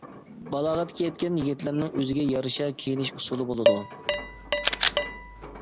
بالاغەتكە يەتكەن يىگىتلەرنىڭ ئۆزىگە يارىشا كىيىنىش ئۇسۇلى بولىدۇ.